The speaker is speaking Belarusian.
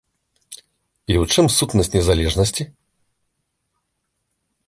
І ў чым сутнасць незалежнасці?